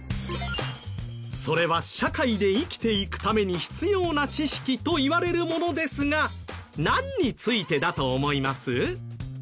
それは社会で生きていくために必要な知識といわれるものですが何についてだと思います？